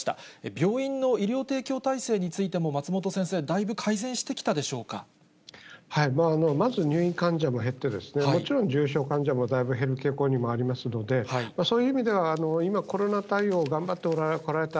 病院の医療提供体制についても、松本先生、まず入院患者も減って、もちろん重症患者もだいぶ減る傾向にもありますので、そういう意味では、今、コロナ対応を頑張ってこられた